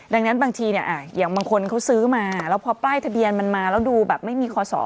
ดังนั้นบางทีเนี่ยอย่างบางคนเขาซื้อมาแล้วพอป้ายทะเบียนมันมาแล้วดูแบบไม่มีคอสอ